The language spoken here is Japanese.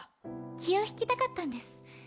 気を引きたかったんです